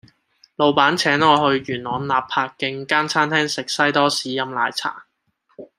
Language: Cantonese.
老闆請我去元朗納柏徑間餐廳食西多士飲奶茶